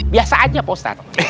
biasa aja pak ustadz